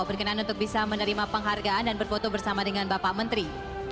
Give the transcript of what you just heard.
berkenan untuk bisa menerima penghargaan dan berfoto bersama dengan bapak menteri